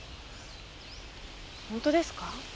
本当ですか？